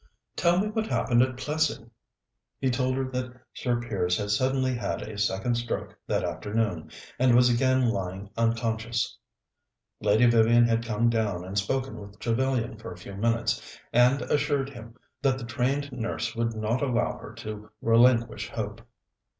"Tell me what happened at Plessing." He told her that Sir Piers had suddenly had a second stroke that afternoon, and was again lying unconscious. Lady Vivian had come down and spoken with Trevellyan for a few minutes, and assured him that the trained nurse would not allow her to relinquish hope.